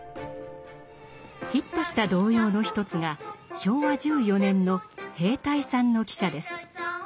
ヒットした童謡の一つが昭和１４年の「兵隊さんの汽車」です。